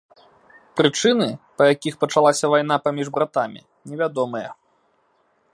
Прычыны, па якіх пачалася вайна паміж братамі, невядомыя.